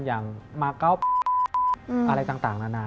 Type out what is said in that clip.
อย่างมาก้าวอะไรต่างนะ